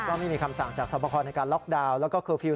ก็ไม่มีคำสั่งจากสอบประคอในการล็อกดาวน์แล้วก็เคอร์ฟิลล